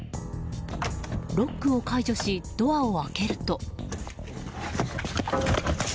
ロックを解除しドアを開けると。